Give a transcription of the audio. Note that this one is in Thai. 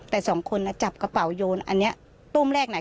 แต่สองคนน่ะจับกระเป๋าโยนอันเนี้ยตู้มแรกไหน